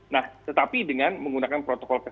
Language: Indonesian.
nah tetapi dengan menggunakan keseimbangan